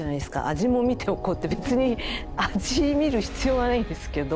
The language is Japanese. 「味もみておこう」って別に味みる必要はないんですけど。